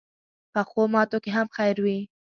پخو ماتو کې هم خیر وي